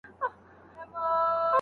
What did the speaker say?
س۔۔۔ ستا په خیال پښتو نستان به جوړ سي؟